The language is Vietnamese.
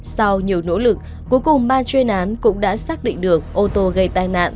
sau nhiều nỗ lực cuối cùng ban chuyên án cũng đã xác định được ô tô gây tai nạn